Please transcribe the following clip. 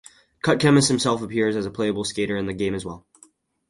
Cut Chemist himself appears as a playable skater in the game as well.